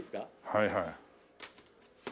はいはい。